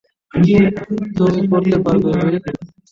তুমি করতে পারবে, উইল।